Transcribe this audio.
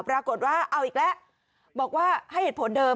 ปรากฏว่าเอาอีกแล้วบอกว่าให้เหตุผลเดิม